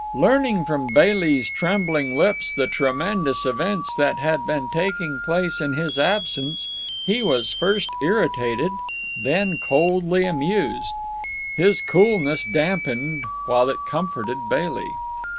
Learning from Bailey's trembling lips the tremendous events that had been taking place in his absence, he was first irritated, then coldly amused. His coolness dampened, while it comforted, Bailey.